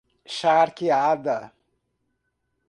Charqueada